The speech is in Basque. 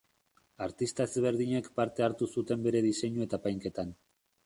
Artista ezberdinek parte hartu zuten bere diseinu eta apainketan.